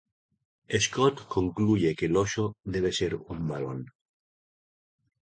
Scott concluye que el oso debe ser un varón.